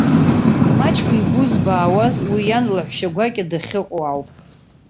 Маҷк игәы збаауаз, уа иан лаҳәшьа гәакьа дахьыҟоу ауп.